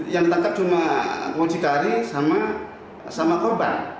yang ditangkap cuma mucikari sama korban